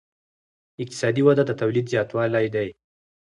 اقتصادي وده د تولید زیاتوالی دی.